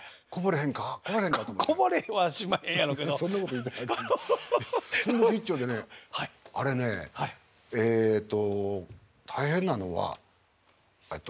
ふんどし一丁でねあれねえっと大変なのはえっと